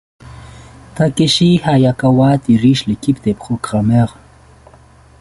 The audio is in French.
Takeshi Hayakawa dirige l'équipe des programmeurs.